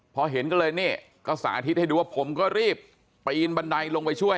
พอเห็นตั้งแต่เลยนี่ก็สาธิตดูว่าผมก็รีบไปอีนบันไดลงไปช่วย